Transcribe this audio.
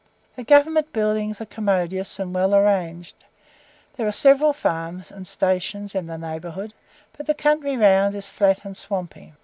The Government buildings are commodious and well arranged. There are several farms and stations in the neighbourhood, but the country round is flat and swampy.